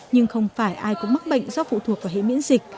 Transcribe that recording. nhưng không phải ai cũng mắc bệnh do phụ thuộc vào hệ miễn dịch